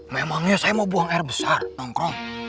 memangnya saya mau buang air besar nongkrong